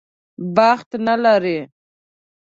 بخت نه لري.